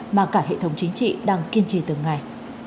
mà cả hệ thống chính trị đang kiên trì từng ngày